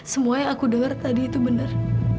semua yang aku denger tadi itu bener